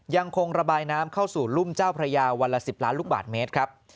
ยังคงระบายน้ำเข้าสู่รุ่มเจ้าพระยาวันละ๑๐ล้านลูกบาทเมตรครับ